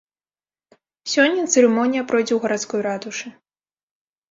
Сёння цырымонія пройдзе ў гарадской ратушы.